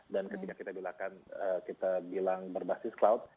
dan ketika kita bilang berbasis cloud